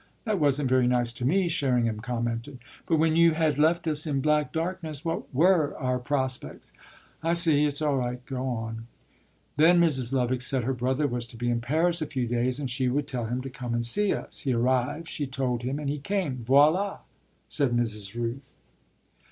"That wasn't very nice to me," Sherringham commented. "But when you had left us in black darkness what were our prospects?" "I see. It's all right. Go on." "Then Mrs. Lovick said her brother was to be in Paris a few days and she would tell him to come and see us. He arrived, she told him and he came. Voilà!" said Mrs. Rooth.